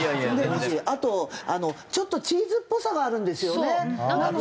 あとちょっとチーズっぽさがあるんですよね。